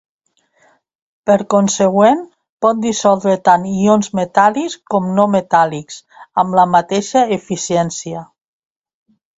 Per consegüent, pot dissoldre tant ions metàl·lics com no metàl·lics amb la mateixa eficiència.